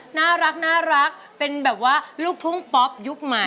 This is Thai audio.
น่ารักเป็นแบบว่าลูกทุ่งป๊อปยุคใหม่